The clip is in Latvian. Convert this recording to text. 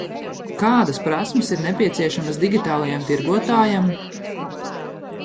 Kādas prasmes ir nepieciešamas digitālajam tirgotājam?